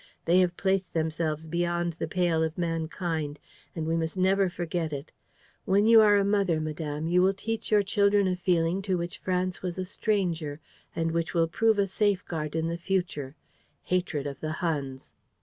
They have placed themselves beyond the pale of mankind; and we must never forget it. When you are a mother, madame, you will teach your children a feeling to which France was a stranger and which will prove a safeguard in the future: hatred of the Huns."